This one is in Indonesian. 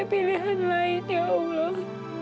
pilihan lain ya allah